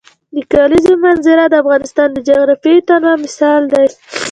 د کلیزو منظره د افغانستان د جغرافیوي تنوع مثال دی.